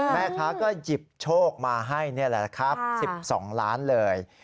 แม่ค้าก็หยิบโชคมาให้นี่แหละครับ๑๒ล้านเลย